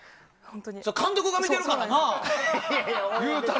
監督が見てるからな、言うたら。